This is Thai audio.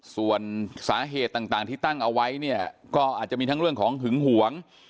ส่วนสาเหตุต่างที่ตั้งเอาไว้เนี่ยก็อาจจะมีทั้งเรื่องของหึงหวง